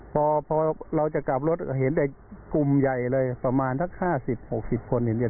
พอเราจะกลับรถก็เห็นได้กลุ่มใหญ่เลยประมาณทั้ง๕๐๖๐คนเห็นได้